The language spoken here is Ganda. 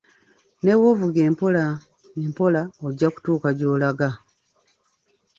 Ne bwovuga empola empola ojja kutuuka gy'olaga.